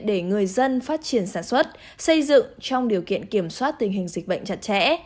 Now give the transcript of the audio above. để người dân phát triển sản xuất xây dựng trong điều kiện kiểm soát tình hình dịch bệnh chặt chẽ